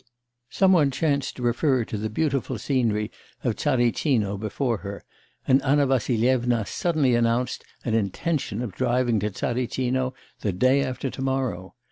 Some one chanced to refer to the beautiful scenery of Tsaritsino before her, and Anna Vassilyevna suddenly announced an intention of driving to Tsaritsino the day after tomorrow.